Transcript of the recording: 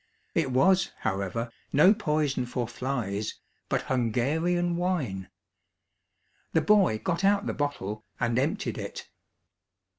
It was, however, no poison for flies, but Hungarian wine. The boy got out the bottle, and emptied it.